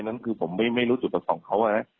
นั้นคือผมไม่รู้จุดประสงค์เขานะ